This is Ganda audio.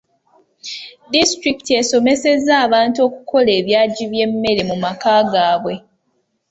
Disitulikiti esomesezza abantu okukola ebyagi by'emmere mu maka gaabwe.